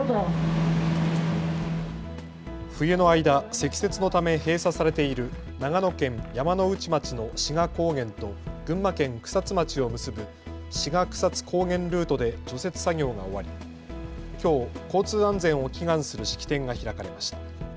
冬の間、積雪のため閉鎖されている長野県山ノ内町の志賀高原と群馬県草津町を結ぶ志賀草津高原ルートで除雪作業が終わりきょう交通安全を祈願する式典が開かれました。